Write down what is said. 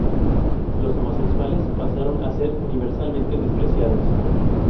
Los homosexuales pasaron a ser universalmente despreciados.